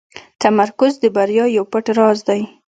تمرکز د بریا یو پټ راز دی.